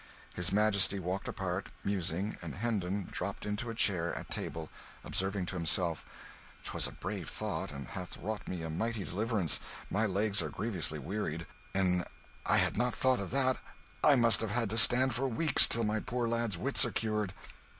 His Majesty walked apart, musing, and Hendon dropped into a chair at table, observing to himself, "'Twas a brave thought, and hath wrought me a mighty deliverance; my legs are grievously wearied. An I had not thought of that, I must have had to stand for weeks, till my poor lad's wits are cured."